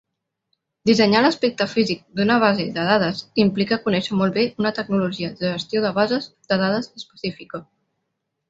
Dissenyar l'aspecte físic d'una base de dades implica conèixer molt bé una tecnologia de gestió de bases de dades específica.